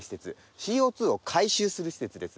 ＣＯ２を回収する施設です。